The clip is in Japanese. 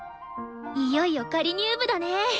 いよいよ仮入部だね。